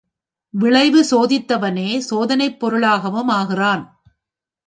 விளைவு, சோதித்தவனே சோதனைப் பொருளாகவும் ஆகிறான்!...